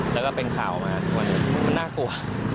แล้วก็เป็นข่าวมาทุกวันมันน่ากลัว